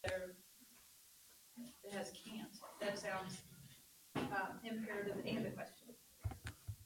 Reduction in prediction error is considered learning.